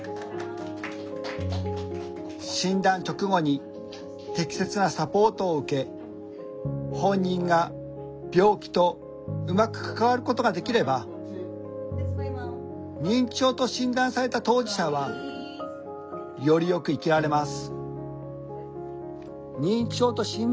「診断直後に適切なサポートを受け本人が病気とうまく関わることができれば認知症と診断された当事者はよりよく生きられます」。